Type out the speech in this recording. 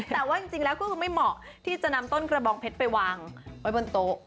แต่ว่าจริงแล้วก็คือไม่เหมาะที่จะนำต้นกระบองเพชรไปวางไว้บนโต๊ะ